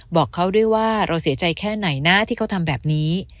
บอกเขาด้วยว่าเราเสียใจแค่ไหนนะที่เขาทำแบบนี้